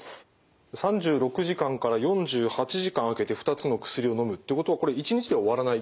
３６時間から４８時間あけて２つの薬をのむってことはこれ１日で終わらない？